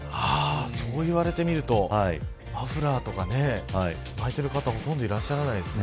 そう言われてみるとマフラーとか巻いている方ほとんどいらっしゃらないですね。